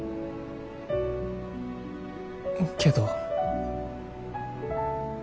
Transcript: けど。